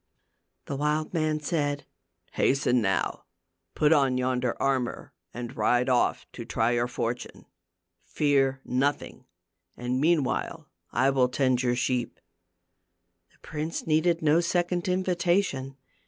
The wild man said, " Hasten, now ; put on yonder armor and ride off to try your fortune. Fear nothing, and meanwhile I will tend your sheep. 7 ' The prince needed no second invitation.